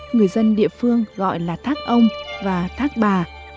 người dân địa phương gọi là thác ông và thác bà